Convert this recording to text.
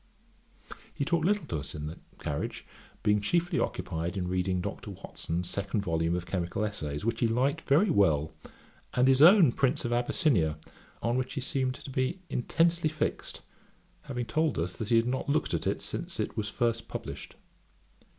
He talked little to us in the carriage, being chiefly occupied in reading Dr. Watson's second volume of Chemical Essays, which he liked very well, and his own Prince of Abyssinia, on which he seemed to be intensely fixed; having told us, that he had not looked at it since it was first published.